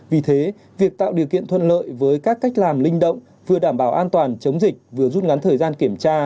vì thế việc tạo điều kiện thuận lợi với các cách làm linh động vừa đảm bảo an toàn chống dịch vừa rút ngắn thời gian kiểm tra